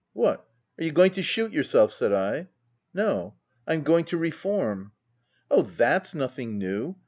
"'What, are you going to shoot yourself ?' said I. " c No ; I'm going to reform/ H ■ Oh, that's nothing new